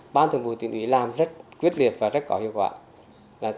ban thường vụ tỉnh ủy làm rất quyết liệt và rất có hiệu quả